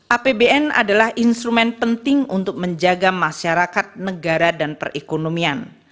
apbn adalah instrumen penting untuk menjaga masyarakat negara dan perekonomian